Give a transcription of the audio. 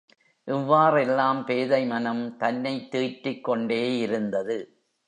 இவ்வாறெல்லாம் பேதைமனம் தன்னைத் தேற்றிக்கொண்டே இருந்தது.